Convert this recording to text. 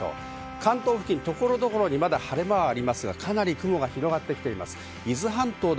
関東付近、所々に晴れ間がありますが、かなり雲が広がってきています。